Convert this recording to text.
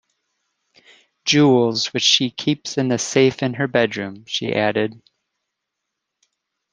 "Jewels which she keeps in the safe in her bedroom," she added.